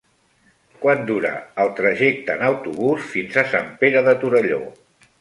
Quant dura el trajecte en autobús fins a Sant Pere de Torelló?